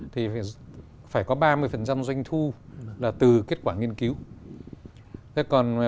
thì phải có ba mươi doanh thu là từ kết quả nghiên cứu